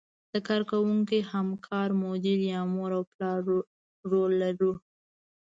د کار کوونکي، همکار، مدیر یا مور او پلار رول لرو.